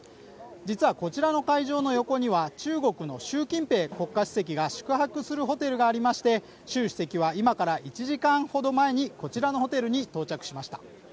実はこちらの会場の横には中国の習近平国家主席が習主席は今から１時間ほど前にこちらのホテルに到着しました。